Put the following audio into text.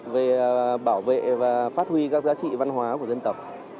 về bảo vệ và phát huy các giá trị văn hóa của dân tộc